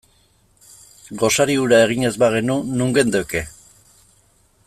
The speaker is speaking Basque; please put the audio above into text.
Gosari hura egin ez bagenu, non geundeke?